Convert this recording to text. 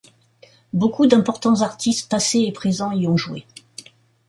Beaucoup d'importants artistes passés et présent y ont joué.